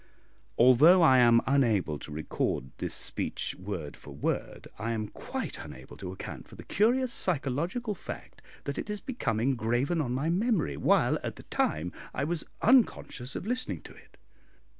Although I am able to record this speech word for word, I am quite unable to account for the curious psychological fact, that it has become engraven on my memory, while, at the time, I was unconscious of listening to it.